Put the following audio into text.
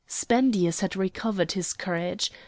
Spendius had recovered his courage.